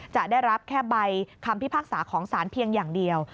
จะได้รับแค่ใบคำพิพากษาของสารเพียงอย่างเดียว